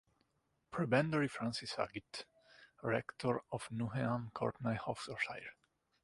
Prebendary Francis Haggit, rector of Nuneham Courtenay Oxfordshire.